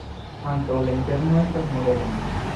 Ankaŭ la interno estas moderna.